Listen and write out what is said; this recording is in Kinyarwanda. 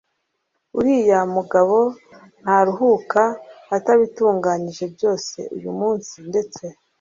uriya mugabo ntaruhuka atabitunganyije byose, uyu munsi ndetse